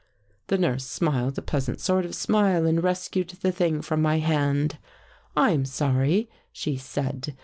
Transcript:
" The nurse smiled a pleasant sort of smile and rescued the thing from my hand. ' I'm sorry,' she said.